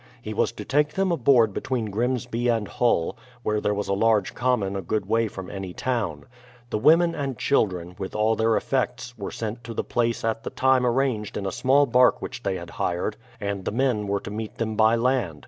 He was to take them aboard between Grimsby and Hull, where there was a large common a good way from any town. The women and children, with all their effects, were sent to the place at the time arranged in a small bark which they had hired; and the men were to meet them by land.